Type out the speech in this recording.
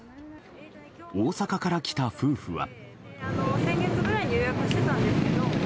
大阪から来た夫婦は。